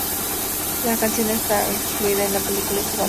La canción está incluida en la película y su banda sonora correspondiente.